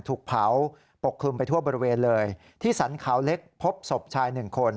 ถูกเผาปกคลุมไปทั่วบริเวณเลยที่สรรเขาเล็กพบศพชายหนึ่งคน